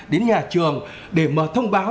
đến nhà trường để mà thông báo